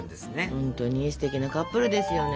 ほんとにすてきなカップルですよね。